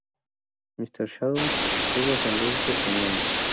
M. Shadows es de ascendencia española.